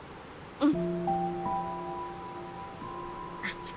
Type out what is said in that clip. うん。